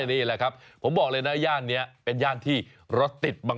นี่แหละครับผมบอกเลยนะย่านนี้เป็นย่านที่รถติดบาง